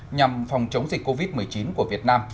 nhằm phòng chống dịch covid một mươi chín của việt nam